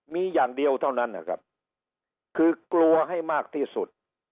มีอย่างเดียวเท่านั้นนะครับคือกลัวให้มากที่สุด